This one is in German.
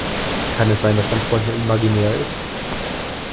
Kann es sein, dass dein Freund nur imaginär ist?